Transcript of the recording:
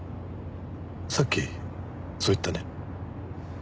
さっきそう言ったね。